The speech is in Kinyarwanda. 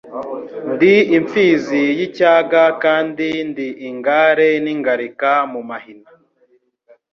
ndi imfizi y'icyaga kandi ndi ingare n'ingalika mu mahina